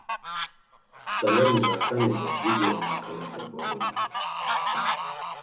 “Tzaleni raǩani do Didiona ǩalepe goruman.”